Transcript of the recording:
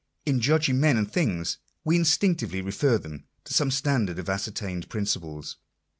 In judging men and things we instinctively refer them to some standard of ascertained principles.